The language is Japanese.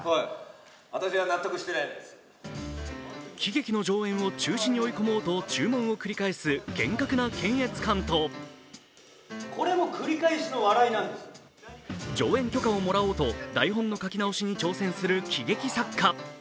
喜劇の上演を中止に追い込もうと注文を繰り返す厳格な検閲官と上演許可をもらおうと台本の書き直しに挑戦する喜劇作家。